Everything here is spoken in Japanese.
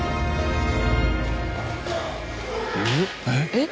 えっ？